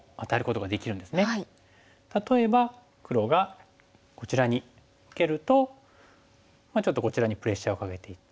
例えば黒がこちらに受けるとちょっとこちらにプレッシャーをかけていって。